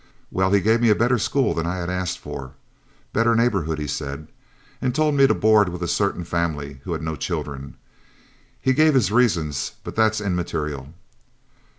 Well, he gave me a better school than I had asked for better neighborhood, he said and told me to board with a certain family who had no children; he gave his reasons, but that's immaterial.